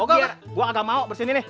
oh gau kak gua nggak mau bersihin ini